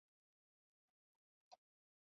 د اقتصادي بنسټونو استثنایي کېدل د حیرانۍ خبره نه وه.